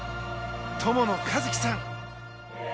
友野一希さん